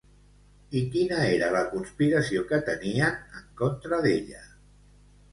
I quina era la conspiració que tenien en contra d'ella?